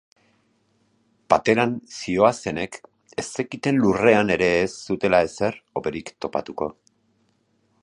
Pateran zihoazenek ez zekiten lurrean ere ez zutela ezer hoberik topatuko.